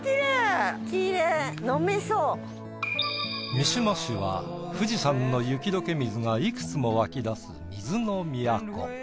三島市は富士山の雪解け水がいくつも湧き出す水の都。